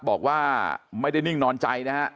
บอกว่าไม่ได้นิ่งนอนใจนะฮะ